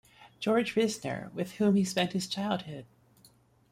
George Risner, with whom he spent his childhood.